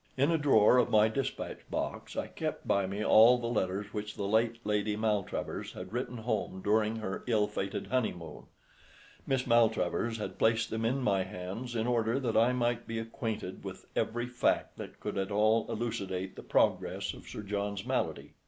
In a drawer of my despatch box, I kept by me all the letters which the late Lady Maltravers had written home during her ill fated honeymoon. Miss Maltravers had placed them in my hands in order that I might be acquainted with every fact that could at all elucidate the progress of Sir John's malady.